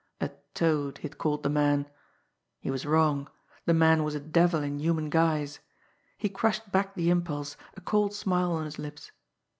A toad, he had called the man. He was wrong the man was a devil in human guise. He crushed back the impulse, a cold smile on his lips.